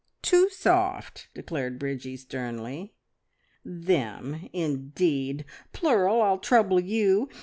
Too soft!" declared Bridgie sternly. "`Them,' indeed! Plural, I'll trouble you!